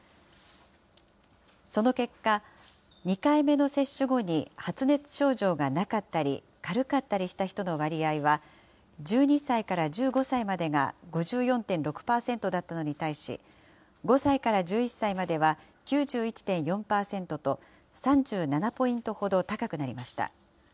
その結果、２回目の接種後に発熱症状がなかったり軽かったりした人の割合は、１２歳から１５歳までが５４．６％だったのに対し、５歳から１１歳までは９１．４％と、３７ポイントほど高くなりました。